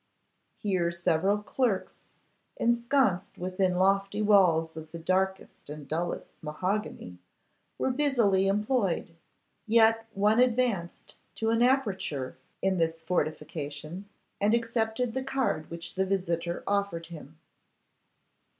Here several clerks, ensconced within lofty walls of the darkest and dullest mahogany, were busily employed; yet one advanced to an aperture in this fortification and accepted the card which the visitor offered him.